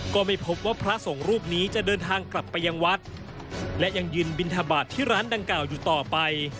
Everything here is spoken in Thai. ก็ไม่พบว่าพระสงฆ์รูปนี้จะเดินทางกลับไปยังวัดและยังยืนบินทบาทที่ร้านดังกล่าวอยู่ต่อไป